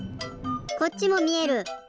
こっちもみえる！